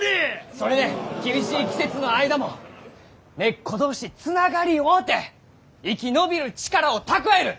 それで厳しい季節の間も根っこ同士つながり合うて生き延びる力を蓄える！